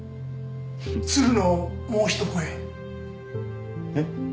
鶴のもうひと声えっ？